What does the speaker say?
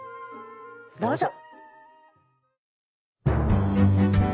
どうぞ。